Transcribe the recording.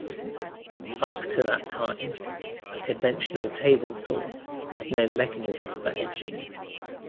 Up to that time, a conventional table saw had no mechanism for edging.